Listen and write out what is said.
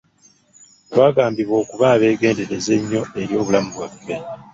Twagambibwa okuba abeegendereza ennyo eri obulamu bwaffe.